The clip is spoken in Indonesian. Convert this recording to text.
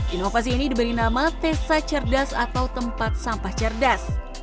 inovasi ini diberi nama tesa cerdas atau tempat sampah cerdas